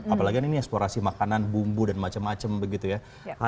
apalagi kan ini eksplorasi makanan bumbu dan macam macam begitu ya